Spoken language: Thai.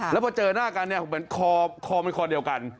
แล้วพอเจอหน้ากันคุณเป็นคอเหมือนคอเดียวกัน